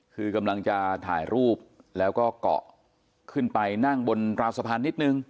คือกำลังจะถ่ายรูปแล้วก็เกาะขึ้นไปนั่งบนราวสะพานนิดนึง